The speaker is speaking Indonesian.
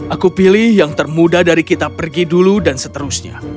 aku pilih yang termuda dari kita pergi dulu dan seterusnya